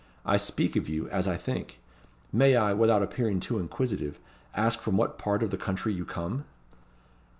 I speak of you, as I think. May I, without appearing too inquisitive, ask from what part of the country you come?"